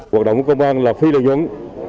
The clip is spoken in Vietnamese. hoạt động của công an là phi lợi nhuận